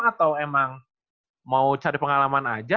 atau emang mau cari pengalaman aja